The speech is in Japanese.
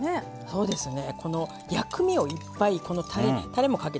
そうですね。